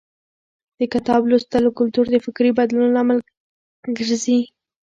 د کتاب لوستلو کلتور د فکري بدلون لامل ګرځي.